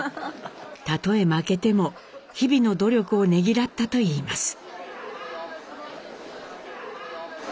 たとえ負けても日々の努力をねぎらったといいます。